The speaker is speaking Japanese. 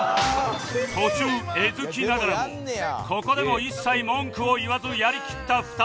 途中えずきながらもここでも一切文句を言わずやりきった２人